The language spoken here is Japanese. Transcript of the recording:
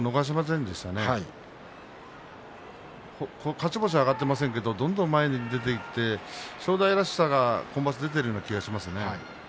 勝ち星が挙がっていませんけどどんどん前に出ていって正代らしさが今場所は出ているような気がしますね。